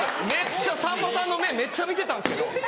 めっちゃさんまさんの目めっちゃ見てたんですけど。